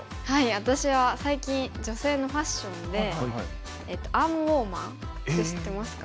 私は最近女性のファッションでアームウォーマーって知ってますか？